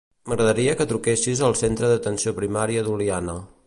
M'agradaria que truquessis al centre d'atenció primària d'Oliana.